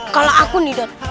kalau aku nih dot